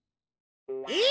え？